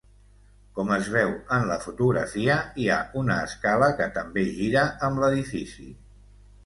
Com es veu en la fotografia, hi ha una escala que també gira amb l'edifici.